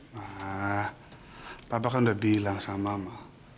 ma papa kan udah bilang sama mama